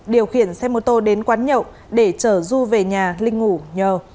điều khiển xe mô tô đến quán nhậu để chở du về nhà linh ngủ nhờ